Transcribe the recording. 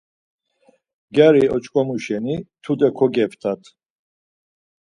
Gyari oç̌ǩomu şeni tude kageptat.